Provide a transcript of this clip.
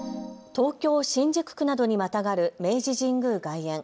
東京新宿区などにまたがる明治神宮外苑。